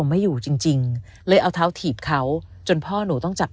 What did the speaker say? อารมณ์ไม่อยู่จริงเลยเอาเท้าถีบเขาจนพ่อหนูต้องจับ